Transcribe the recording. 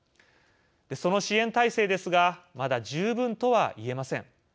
その支援体制ですがまだ十分とはいえません。